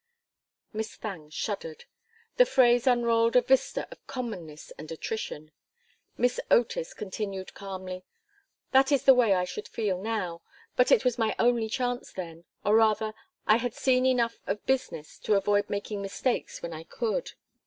Miss Thangue shuddered. The phrase unrolled a vista of commonness and attrition. Miss Otis continued, calmly: "That is the way I should feel now. But it was my only chance then; or rather I had seen enough of business to avoid making mistakes when I could.